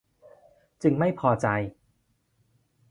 จึงไม่พอใจ